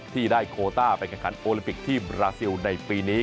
ที่ได้โคต้าไปแข่งขันโอลิมปิกที่บราซิลในปีนี้